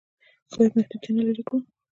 باید محدودیتونه لرې کړو.